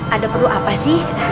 ada perlu apa sih